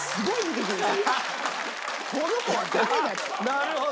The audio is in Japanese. なるほど！